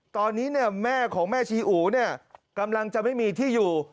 ตอนนี้แม่ของแม่ชีอู๋เนี่ยกำลังจะไม่มีที่อยู่